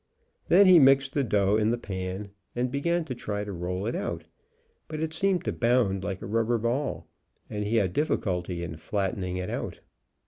Then he mixed the dough in the pan, and began to try to roll it out, but it seemed to bound like a rubber ball, and he had difficulty in flattening it out.